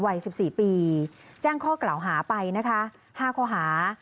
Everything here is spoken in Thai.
วัย๑๔ปีแจ้งข้อกล่าวหาไปนะคะ๕ข้อหา